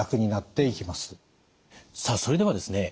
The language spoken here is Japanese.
さあそれではですね